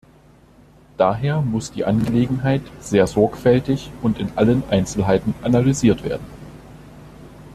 Daher muss die Angelegenheit sehr sorgfältig und in allen Einzelheiten analysiert werden.